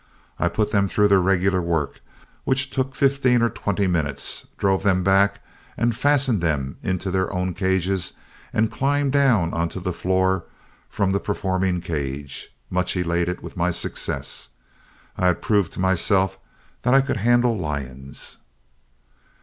I put them through their regular work, which took fifteen or twenty minutes, drove them back, and fastened them into their own cages and climbed down on to the floor from the performing cage, much elated with my success. I had proved to myself that I could handle lions."